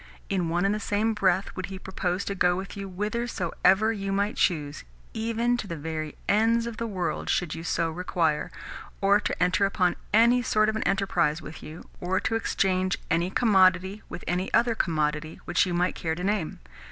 In one and the same breath would he propose to go with you whithersoever you might choose (even to the very ends of the world should you so require) or to enter upon any sort of an enterprise with you, or to exchange any commodity for any other commodity which you might care to name.